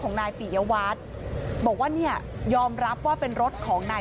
นายปิยวัตรบอกว่าเนี่ยยอมรับว่าเป็นรถของนาย